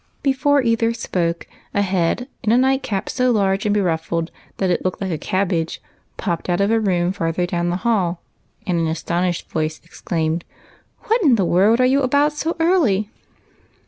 Before either sj^oke, a head, in a nightcap so large and beruffled that it looked like a cabbage, popped out of a room farther down the hall, and an astonished voice exclaimed, —" What in the world are you about so early